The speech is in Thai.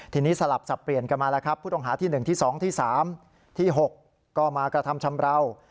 ทีนี้สลับสับเปลี่ยนกันมาแล้วครับผู้ต้องหาที่๑ที่๒ที่๓ที่๖ก็มากระทำชำราว